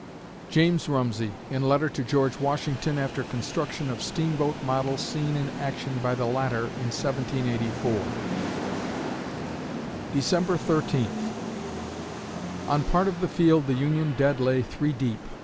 JAMES RUMSEY (In letter to George Washington after construction of steamboat model seen in action by the latter in 1784) December Thirteenth On part of the field the Union dead lay three deep.